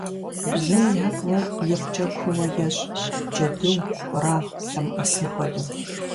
Бзум и абгъуэр икъукӏэ куууэ ещӏ, джэду, къуаргъ лъэмыӏэсын хуэдэу.